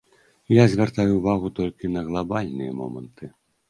Я звяртаю ўвагу толькі на глабальныя моманты.